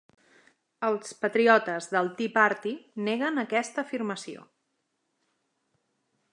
Els patriotes del Tea Party neguen aquesta afirmació.